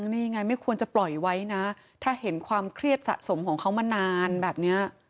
นี่ยังไงไม่ควรจะปล่อยไว้นะถ้าเห็นความเครียดสะสมของเขามานานแบบนี้